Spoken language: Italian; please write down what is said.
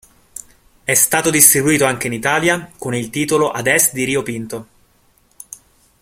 È stato distribuito anche in Italia con il titolo "Ad est di Rio Pinto".